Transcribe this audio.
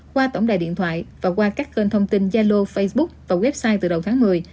qua tổng đài điện thoại và qua các kênh thông tin gia lô facebook và website từ đầu tháng một mươi